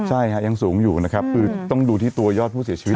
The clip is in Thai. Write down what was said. ใช่ค่ะยังสูงอยู่นะครับคือต้องดูที่ตัวยอดผู้เสียชีวิต